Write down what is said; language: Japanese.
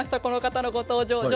この方のご登場。